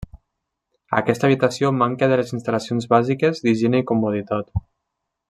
Aquesta habitació manca de les instal·lacions bàsiques d'higiene i comoditat.